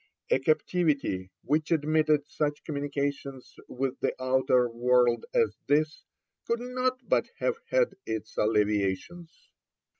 A captivity which admitted such communications with the outer world as this, could not but have had its alleviations.